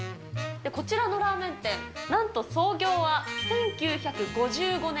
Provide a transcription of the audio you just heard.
こちらのラーメン店、なんと創業は１９５５年。